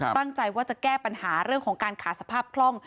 ตั้งใจว่าจะแก้ปัญหาเรื่องของการขาดสภาพคล่อง